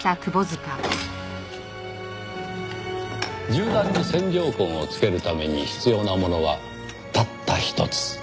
銃弾に線条痕を付けるために必要なものはたった一つ。